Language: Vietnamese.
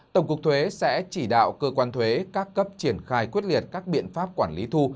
tổng cục thuế sẽ chỉ đạo cơ quan thuế các cấp triển khai quyết liệt các biện pháp quản lý thu